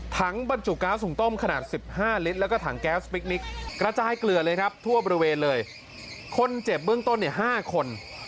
บรรจุก๊าซหุ่งต้มขนาดสิบห้าลิตรแล้วก็ถังแก๊สพิคนิคกระจายเกลือเลยครับทั่วบริเวณเลยคนเจ็บเบื้องต้นเนี่ยห้าคน